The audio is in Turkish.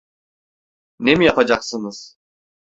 Ne mi yapacaksınız?